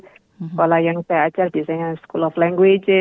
sekolah yang saya ajar biasanya school of languages